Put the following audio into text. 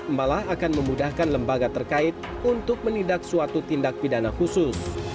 mbah akan memudahkan lembaga terkait untuk menindak suatu tindak pidana khusus